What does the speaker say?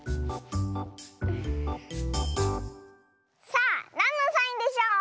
さあなんのサインでしょう？